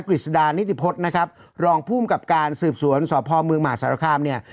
กฤษดานิติพฤษนะครับรองภูมิกับการสืบสวนสพเมืองมหาสารคามเนี่ย